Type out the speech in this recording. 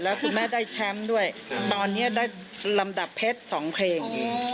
แล้วคุณแม่ได้แชมป์ด้วยตอนนี้ได้ลำดับเพชร๒เพลง